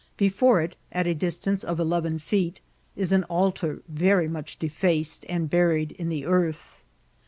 Before it, at a distance of eleven feet, is an altar very much defaced, and buried in the earth.